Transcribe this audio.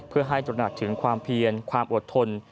เพื่อให้ตระหนักถึงความเพียรความอดทน